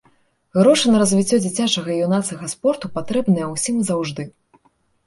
Грошы на развіццё дзіцячага і юнацкага спорту патрэбныя ўсім і заўжды.